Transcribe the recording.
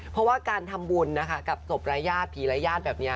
เพราะว่าการทำบุญนะคะกับศพรายญาติผีรายญาติแบบนี้